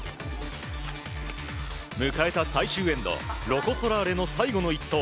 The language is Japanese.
迎えた最終エンドロコ・ソラーレの最後の１投。